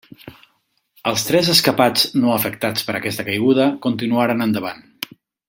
Els tres escapats no afectats per aquesta caiguda continuaren endavant.